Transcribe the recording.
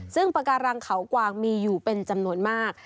ซึ่งปากการังเขากวางมีอยู่เป็นจำนวนมาก